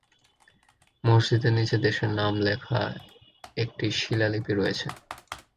মসজিদের নিচে দেশের নাম লেখা একটি শিলালিপি রয়েছে।